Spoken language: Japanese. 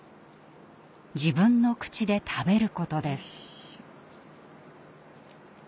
自分の口で食べることです。